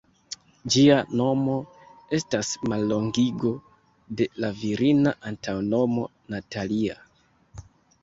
Ĝia nomo estas mallongigo de la virina antaŭnomo "Natalia".